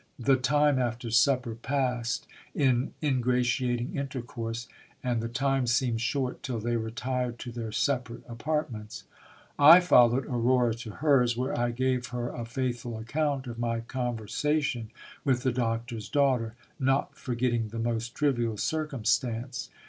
The time after supper passed in ingratiating intercourse, and the time seemed short till they retired to their separate apartments. I followed Aurora to hers, where I gave her a faithful account of my conversation with the Doctor's daughter, not forgetting the most trivial circumstance.